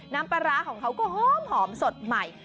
น้ำปลาร้าของเขาก็หอมสดใหม่